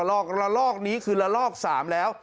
กระลอกนี้คือละลอก๓แล้ว